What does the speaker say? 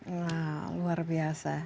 wah luar biasa